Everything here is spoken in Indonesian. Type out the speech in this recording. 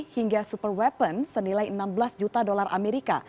hingga super weapon senilai enam belas juta dolar amerika